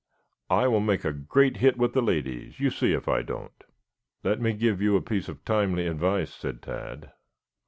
I will make a great hit with the ladies, you see if I don't." "Let me give you a piece of timely advice," said Tad.